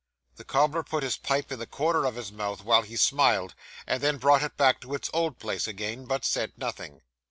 The cobbler put his pipe in the corner of his mouth, while he smiled, and then brought it back to its old place again; but said nothing.